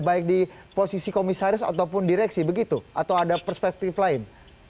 baik di posisi komisaris ataupun direksi begitu atau ada perspektif lain